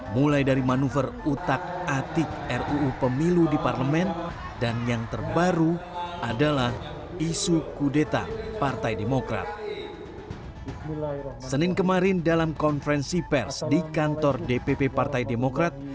mulai dari manuver utak atik ruu pemilu di parlemen dan yang terbaru adalah isu kudeta partai demokrat